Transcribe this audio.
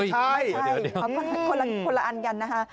ใช่เดี๋ยวคนละอันกันนะคะ